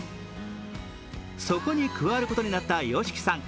そこに加わることになったＹＯＳＨＩＫＩさん。